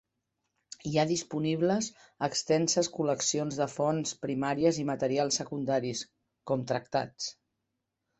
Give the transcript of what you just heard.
Hi ha disponibles extenses col·leccions de fonts primàries i materials secundaris, com tractats.